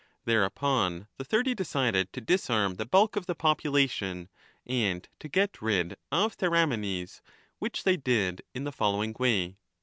Thereupon the Thirty decided to disarm the bulk of the population and to get rid of Theramenes ; which they did in the following way.